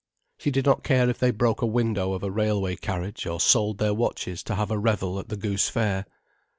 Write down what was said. She did not care if they broke a window of a railway carriage or sold their watches to have a revel at the Goose Fair.